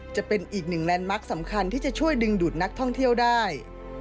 จะเป็นอีกหนึ่งแลนด์มาร์คสำคัญที่จะช่วยดึงดูดนักท่องเที่ยวได้